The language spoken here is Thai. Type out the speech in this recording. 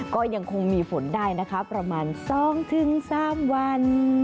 ก็ยังคงมีฝนได้นะคะประมาณ๒๓วัน